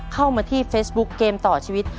เข้ามาที่เฟซบุ๊คเกมต่อชีวิต